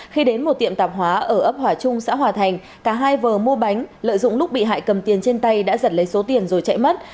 khi đến một tiệm tạp hóa ở ấp hòa trung xã hòa thành cả hai vợ mua bánh lợi dụng lúc bị hại cầm tiền trên tay đã giật lấy số tiền rồi chạy mất